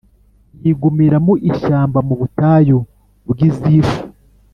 yigumira mu ishyamba mu butayu bw’i Zifu.